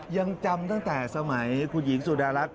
ยังจำตั้งแต่สมัยคุณหญิงสุดารักษ